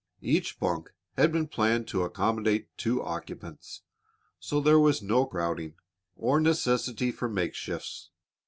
Each bunk had been planned to accommodate two occupants, so there was no crowding or necessity for makeshifts.